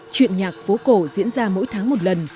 chuyện nhạc phố cổ diễn ra mỗi tháng một lần